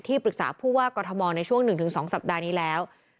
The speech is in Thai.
ปรึกษาผู้ว่ากรทมในช่วง๑๒สัปดาห์นี้แล้ว